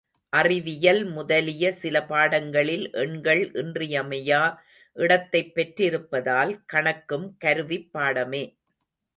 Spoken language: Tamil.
அறிவியல் முதலிய சில பாடங்களில் எண்கள் இன்றியமையா இடத்தைப் பெற்றிருப்பதால், கணக்கும் கருவிப் பாடமே.